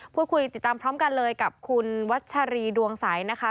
พูดคุยติดตามพร้อมกันเลยกับคุณวัชรีดวงใสนะคะ